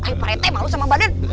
ayo pak rite mau sama badan